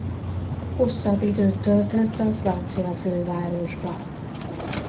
Hosszabb időt töltött a francia fővárosban.